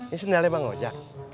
ini sendalnya bang wajah